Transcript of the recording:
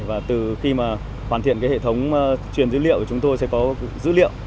và từ khi hoàn thiện hệ thống truyền dữ liệu chúng tôi sẽ có dữ liệu